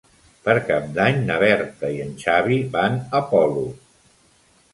Per Cap d'Any na Berta i en Xavi van a Polop.